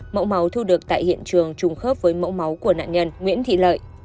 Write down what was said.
mẫu máu thu được tại hiện trường trùng khớp với mẫu máu của nạn nhân nguyễn thị lợi